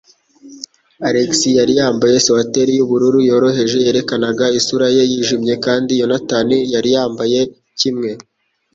Alex yari yambaye swateri yubururu yoroheje yerekanaga isura ye yijimye kandi Yonatani yari yambaye kimwe.